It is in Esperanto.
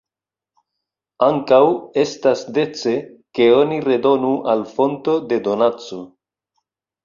Ankaŭ, estas dece, ke oni redonu al fonto de donaco.